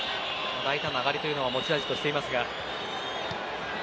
大胆な上がりというのを持ち味としていますが。